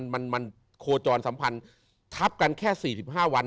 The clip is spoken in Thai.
มันโคจรสัมพันธ์ทับกันแค่๔๕วัน